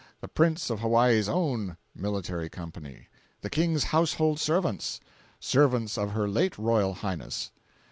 The Prince of Hawaii's Own (Military Company). The King's household servants. Servants of Her late Royal Highness.